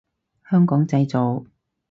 香港製造